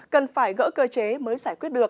cần phải gỡ cơ chế mới ra